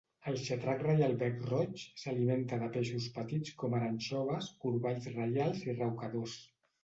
El xatrac reial bec-roig s'alimenta de peixos petits com ara anxoves, corballs reials i raucadors.